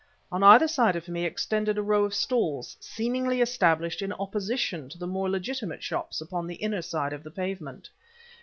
On either side of me extended a row of stalls, seemingly established in opposition to the more legitimate shops upon the inner side of the pavement.